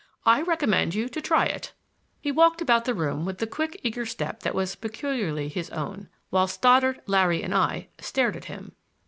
I recommend you to try it." He walked about the room with the quick eager step that was peculiarly his own, while Stoddard, Larry and I stared at him.